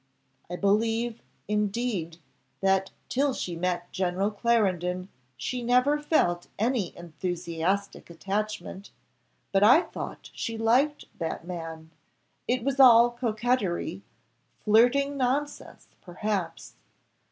I believe, indeed, that till she met General Clarendon she never felt any enthusiastic attachment, but I thought she liked that man it was all coquetry, flirting nonsense perhaps.